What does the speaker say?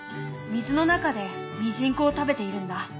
水の中でミジンコを食べているんだ。